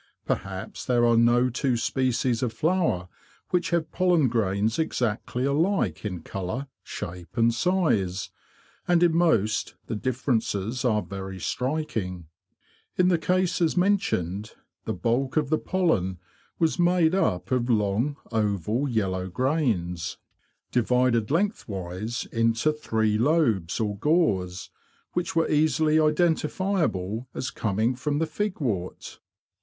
Perhaps there are no two species of flower which have pollen grains exactly alike in colour, shape, and size, and in most the differences are very striking. In the cases mentioned the bulk of the pollen was made up of long oval yellow grains divided lengthwise into POLLEN AND THE BEE 155 three lobes or gores, which were easily identifiable as coming from the figwort.